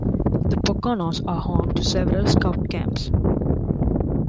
The Poconos are home to several Scout camps.